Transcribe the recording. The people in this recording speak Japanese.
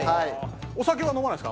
お酒は飲まないんですか？